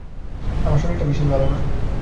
আমার শরীরটা বিশেষ ভালো না।